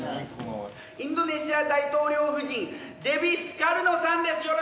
インドネシア大統領夫人デヴィ・スカルノさんです！